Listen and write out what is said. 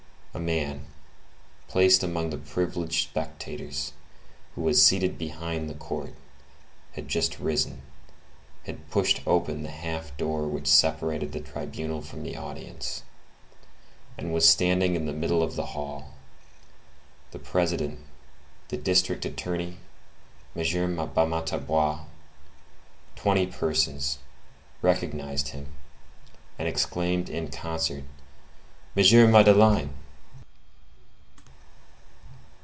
A man, placed among the privileged spectators who were seated behind the court, had just risen, had pushed open the half door which separated the tribunal from the audience, and was standing in the middle of the hall; the President, the district attorney, M. Bamatabois, twenty persons, recognized him, and exclaimed in concert:— "M. Madeleine!"